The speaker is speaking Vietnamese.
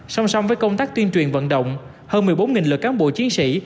song song với công tác tuyên truyền vận động hơn một mươi bốn lượt cán bộ chiến sĩ